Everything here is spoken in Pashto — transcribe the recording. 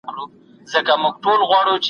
خدای انسان ته عقل د ګټې لپاره ورکړی.